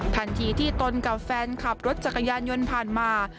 ทันทีที่ตนกับแฟนขับรถจักรยานยนต์ผ่านมา